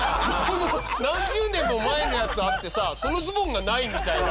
何十年も前のやつあってさそのズボンがないみたいな。